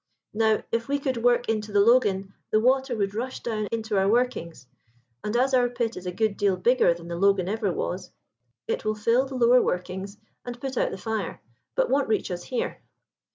Now if we could work into the 'Logan,' the water would rush down into our workings, and, as our pit is a good deal bigger than the 'Logan' ever was, it will fill the lower workings and put out the fire, but won't reach us here.